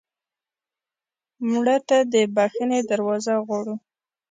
مړه ته د بښنې دروازه غواړو